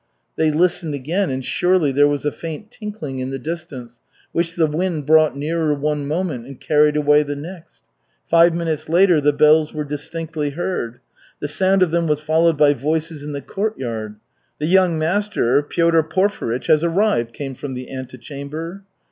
They listened again, and surely there was a faint tinkling in the distance, which the wind brought nearer one moment and carried away the next. Five minutes later the bells were distinctly heard. The sound of them was followed by voices in the court yard. "The young master, Piotr Porfirych, has arrived," came from the antechamber.